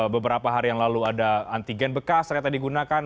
beberapa hari yang lalu ada antigen bekas ternyata digunakan